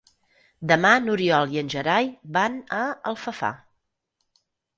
Demà n'Oriol i en Gerai van a Alfafar.